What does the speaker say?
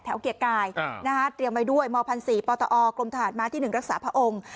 เกียรติกายเตรียมไว้ด้วยม๑๔ปตอกรมทหารม้าที่๑รักษาพระองค์